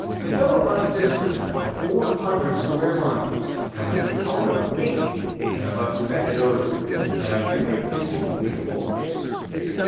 It fell upon a district of 400 square miles, and was the color of ink, and of a fetid odor and very disagreeable taste.